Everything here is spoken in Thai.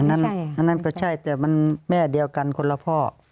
อันนั้นก็ใช่แต่มันแม่เดียวกันคนละพ่อ